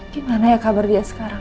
gimana ya kabar dia sekarang